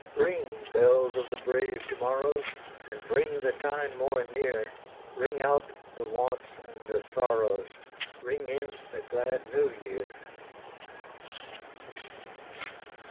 Ring, bells of the brave to morrows! And bring the time more near: Ring out the wants and the sorrows, Ring in the glad New Year!